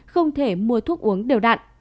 không thể mua thuốc uống đều đặn